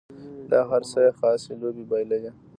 دا هر څه یې خاصې لوبې بلل.